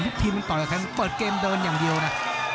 ยุคทีมมันต่อกระแขมเปิดเกมเดินอย่างเรียวนะ